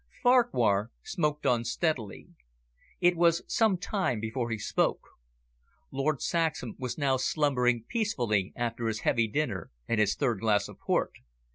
Farquhar smoked on steadily. It was some time before he spoke. Lord Saxham was now slumbering peacefully after his heavy dinner and his third glass of port.